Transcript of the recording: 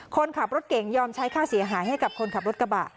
คนขับรถเก่งยอมใช้ค่าเสียหายให้กับคนขับรถกระบะ